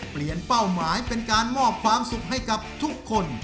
เป้าหมายเป็นการมอบความสุขให้กับทุกคน